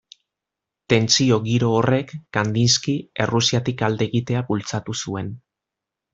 Tentsio giro horrek, Kandinski Errusiatik alde egitea bultzatu zuen.